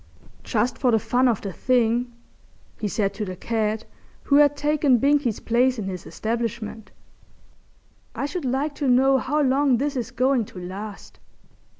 "Just for the fun of the thing," he said to the cat, who had taken Binkie's place in his establishment, "I should like to know how long this is going to last.